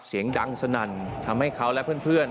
เสียงดังสนั่นทำให้เขาและเพื่อน